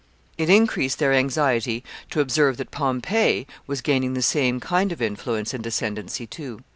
] It increased their anxiety to observe that Pompey was gaining the same kind of influence and ascendency too.